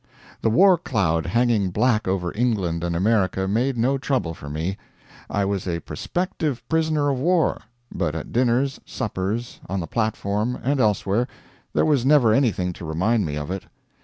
The war cloud hanging black over England and America made no trouble for me. I was a prospective prisoner of war, but at dinners, suppers, on the platform, and elsewhere, there was never anything to remind me of it.